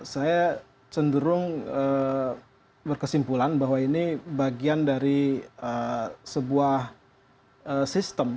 saya cenderung berkesimpulan bahwa ini bagian dari sebuah sistem